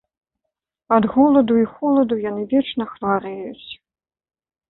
Ад голаду і холаду яны вечна хварэюць.